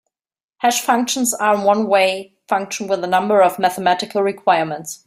Hash functions are one-way functions with a number of mathematical requirements.